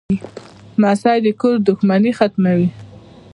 لمسی د کور دښمنۍ ختموي.